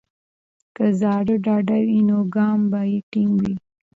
که زړه ډاډه وي، نو ګام به ټینګ وي.